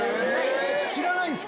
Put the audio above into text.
知らないんっすか？